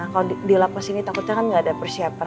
kalau dilapas ini takutnya kan gak ada persiapan